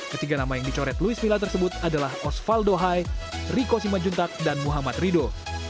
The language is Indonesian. ketiga nama yang dicoret luis mila tersebut adalah osvaldo hai riko simajuntak dan muhammad rido